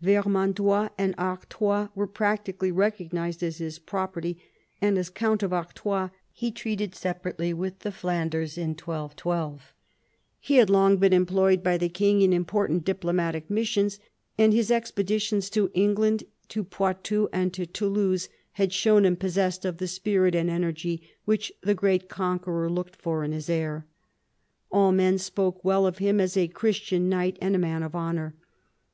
Vermandois and Artois were practically recognised as his property, and as count of Artois he treated separately with the Flanders in 1212. Q 226 PHILIP AUGUSTUS chap. He had long been employed by the king in im portant diplomatic missions, and his expeditions to England, to Poitou, and to Toulouse, had shown him possessed of the spirit and energy which the great con queror looked for in his heir. All men spoke well of him as a Christian knight and a man of honour.